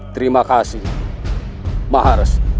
terima kasih maharaja